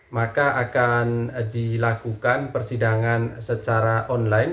maka akan dilakukan persidangan secara online